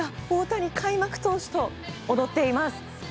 大谷、開幕投手と踊っています。